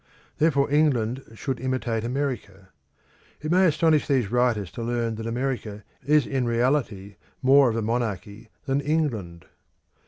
Therefore England should imitate America. It may astonish these writers to learn that America is in reality more of a monarchy than England.